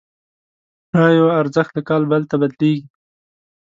داراییو ارزښت له کال بل ته بدلېږي.